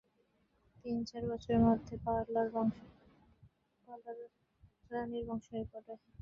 তিন-চার বছরের মধ্যে পালরা নির্বংশ হয়ে পড়ে।